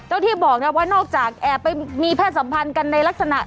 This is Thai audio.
เจ้าที่บอกนะว่านอกจากแอบไปมีแพทย์สำคัญกันในลักษณะ